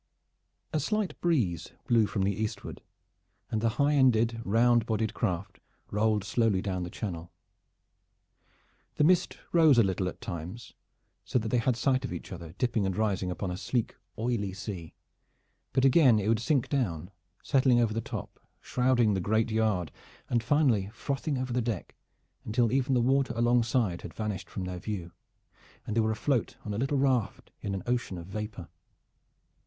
A slight breeze blew from the eastward, and the highended, round bodied craft rolled slowly down the Channel. The mist rose a little at times, so that they had sight of each other dipping and rising upon a sleek, oily sea, but again it would sink down, settling over the top, shrouding the great yard, and finally frothing over the deck until even the water alongside had vanished from their view and they were afloat on a little raft in an ocean of vapor.